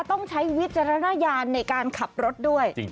ต้องใช้วิจารณญาณในการขับรถด้วย